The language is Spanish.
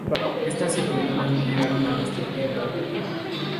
Estas sepulturas no llegaron a nuestro tiempo.